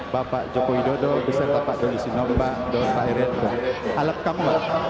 bapak jokowi dodo beserta pak doni sinopa dosa renta alat kamu